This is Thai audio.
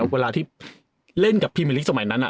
เวลาที่เล่นกับพรีเมอร์ลิกสมัยนั้น